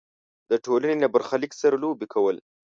د ټولنې له برخلیک سره لوبې کول.